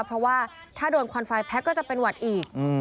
เพราะว่าถ้าโดนควันไฟแพ็คก็จะเป็นหวัดอีก